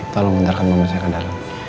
tolong gantarkan pemirsa ke dalam